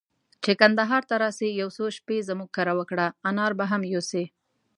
چي کندهار ته راسې، يو څو شپې زموږ کره وکړه، انار به هم يوسې.